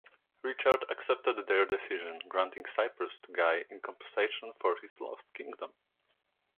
Richard accepted their decision, granting Cyprus to Guy in compensation for his lost kingdom.